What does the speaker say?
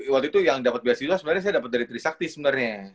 waktu itu yang dapat beasiswa sebenarnya saya dapat dari trisakti sebenarnya